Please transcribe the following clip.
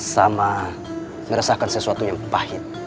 sama meresahkan sesuatu yang pahit